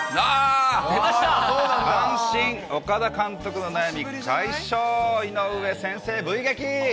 阪神、岡田監督の悩み、快勝、井上先制Ｖ撃。